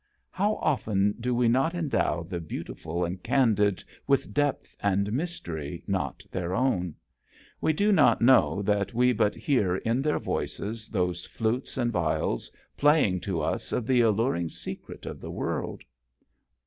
How often do we not endow the beautiful and candid with depth and mystery not their own ? We do not know that we but hear in their voices those flutes and viols playing to us of the alluring secret of the world.